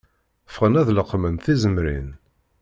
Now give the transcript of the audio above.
Ffɣen ad leqmen tizemrin